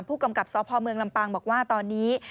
ผู้กำกับสพเมืองลำปางบอกว่าตอนนี้